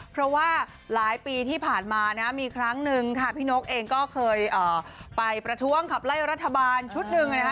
เพราะว่าหลายปีที่ผ่านมานะมีครั้งหนึ่งค่ะพี่นกเองก็เคยไปประท้วงขับไล่รัฐบาลชุดหนึ่งนะคะ